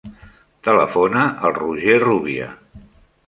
Telefona al Roger Rubia.